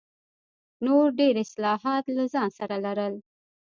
نور ډېر اصلاحات له ځان سره لرل.